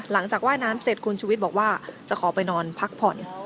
หลังจากว่ายน้ำเสร็จคุณชุวิตบอกว่าจะขอไปนอนพักผ่อน